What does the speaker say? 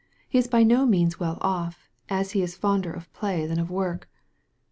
He is by no means well off, as he is fonder of play than of work.